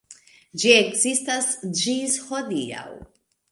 Ĝi ekzistas ĝis hodiaŭ.